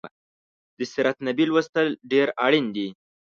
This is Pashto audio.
د سیرت النبي لوستل ډیر اړین دي